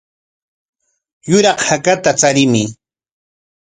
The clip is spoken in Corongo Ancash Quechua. Yuraq hakata charimuy.